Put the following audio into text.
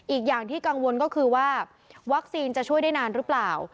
อีกอย่างที่กังวลก็คือว่าวัคซีนจะช่วยได้นานหรือเปล่า